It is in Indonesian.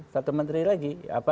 satu menteri lagi